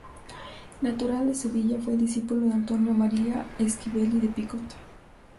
Natural de Sevilla, fue discípulo de Antonio María Esquivel y de Picot.